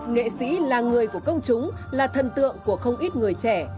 nghệ sĩ là người của công chúng là thần tượng của không ít người trẻ